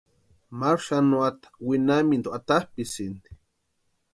Maru xanuata winhamintu atapʼisïnti.